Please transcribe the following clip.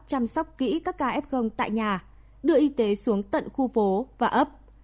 chăm sóc kỹ các ca f tại nhà đưa y tế xuống tận khu phố và ấp